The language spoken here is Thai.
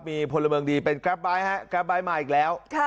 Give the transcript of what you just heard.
มีพลเมืองดีเป็นกราฟ์ไบต์มาอีกแล้ว